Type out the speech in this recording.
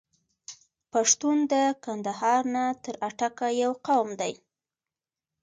پښتون د کندهار نه تر اټکه یو قوم دی.